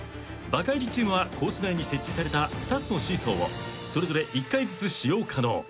バカイジチームはコース内に設置された２つのシーソーをそれぞれ１回ずつ使用可能。